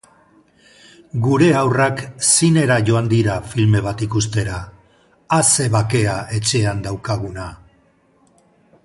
Gure haurrak zinera joan dira filme bat ikustera. A ze bakea etxean daukaguna!